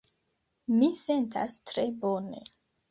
Mi sentas tre bone.